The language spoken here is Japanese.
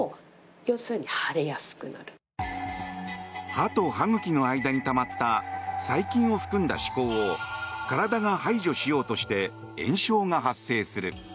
歯と歯茎の間にたまった細菌を含んだ歯垢を体が排除しようとして炎症が発生する。